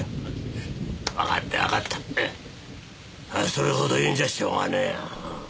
それほど言うんじゃしょうがねえや。